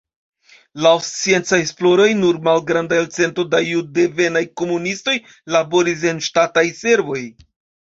Laŭ sciencaj esploroj nur malgranda elcento da juddevenaj komunistoj laboris en ŝtataj servoj.